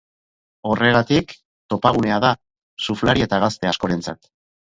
Horregatik, topagunea da surflari eta gazte askorentzat.